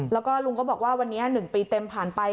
แล้วก็ลุงก็บอกว่าวันนี้๑ปีเต็มผ่านไป